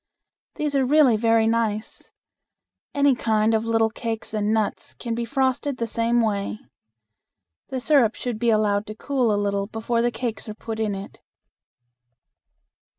These are really very nice. Any kind of little cakes and nuts can be frosted the same way. The syrup should be allowed to cool a little before the cakes are put in it.